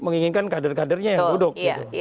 menginginkan kader kadernya yang duduk